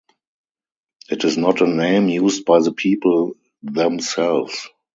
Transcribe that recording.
It is not a name used by the people themselves.